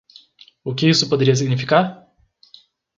O que isso poderia significar?